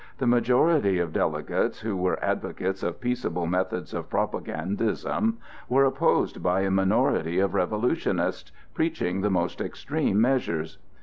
the majority of delegates, who were advocates of peaceable methods of propagandism, were opposed by a minority of revolutionists preaching the most extreme measures.